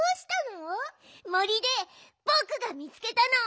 森でぼくがみつけたの！